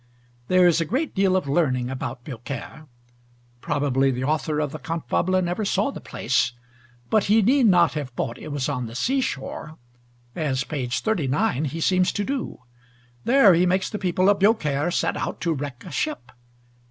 There is a great deal of learning about Biaucaire; probably the author of the cante fable never saw the place, but he need not have thought it was on the sea shore, as (p. 39) he seems to do. There he makes the people of Beaucaire set out to wreck a ship.